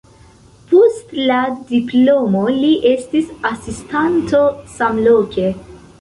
Post la diplomo li estis asistanto samloke.